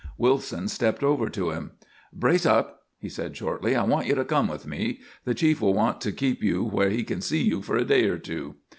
Wilson stepped over to him. "Brace up," he said shortly, "I want you to come with me. The chief will want to keep you where he can see you for a day or two."